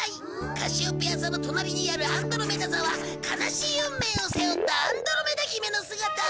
カシオペア座の隣にあるアンドロメダ座は悲しい運命を背負ったアンドロメダ姫の姿を。